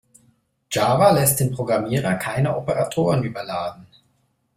Java lässt den Programmierer keine Operatoren überladen.